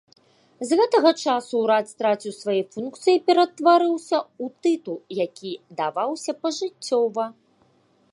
З гэтага часу ўрад страціў свае функцыі і ператварыўся ў тытул, які даваўся пажыццёва.